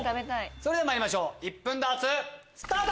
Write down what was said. それではまいりましょう１分ダーツスタート！